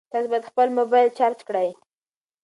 تاسي باید خپل موبایل چارج کړئ.